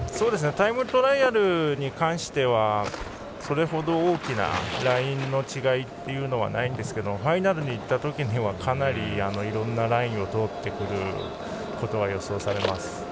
タイムトライアルに関してはそれほど大きなラインの違いはないんですがファイナルに行ったときはかなりいろんなラインを通ってくることが予想されます。